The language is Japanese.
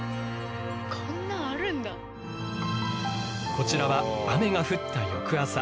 こちらは雨が降った翌朝。